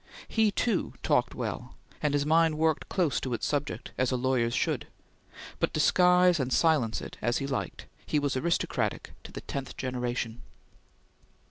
He, too, talked well, and his mind worked close to its subject, as a lawyer's should; but disguise and silence it as he liked, it was aristocratic to the tenth generation.